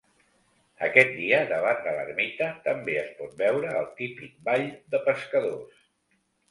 Aquest dia, davant de l'ermita, també es pot veure el típic ball de pescadors.